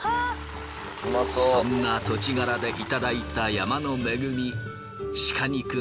そんな土地柄でいただいた山の恵み。